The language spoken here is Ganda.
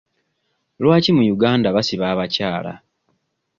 Lwaki mu Uganda basiba abakyala?